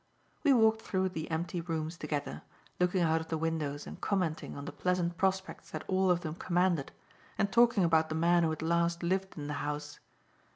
We walked through the empty rooms together, looking out of the windows and commenting on the pleasant prospects that all of them commanded, and talking about the man who had last lived in the house.